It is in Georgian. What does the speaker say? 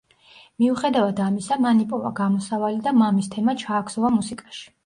მიუხედავად ამისა, მან იპოვა გამოსავალი და მამის თემა ჩააქსოვა მუსიკაში.